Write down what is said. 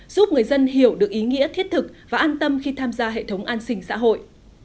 giúp người dân hiểu được ý nghĩa thiết thực và an tâm khi tham gia hệ thống an sinh xã hội